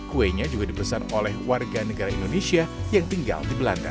kuenya juga dipesan oleh warga negara indonesia yang tinggal di belanda